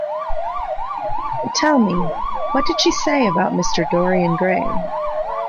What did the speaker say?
But tell me, what did she say about Mr. Dorian Gray?